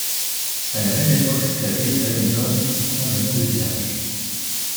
À la même époque s'établit une famille noble qui prend le nom du village.